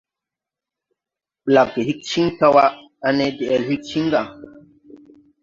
Blagge hig cin taw wa, ane deʼel hig ciŋ ga.